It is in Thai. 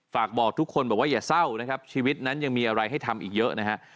ฝากบอกทุกคนบอกว่าอย่าเศร้านะครับชีวิตนั้นยังมีอะไรให้ทำอีกเยอะนะฮะ